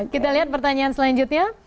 kita lihat pertanyaan selanjutnya